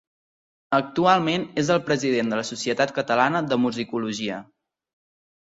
Actualment és el president de la Societat Catalana de Musicologia.